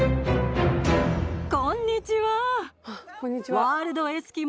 こんにちは。